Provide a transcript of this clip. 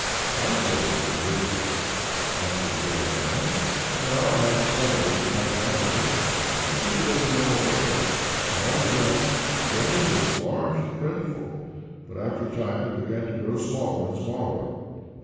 "I sowed it, and reaped it," answered the old man, "and now I have some of it in my granary. I keep it as a memorial. When I was young, the grain was large and plentiful, but after a time it began to grow smaller and smaller."